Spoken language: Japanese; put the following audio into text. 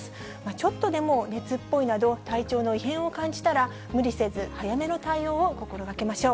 ちょっとでも熱っぽいなど、体調の異変を感じたら、無理せず早めの対応を心がけましょう。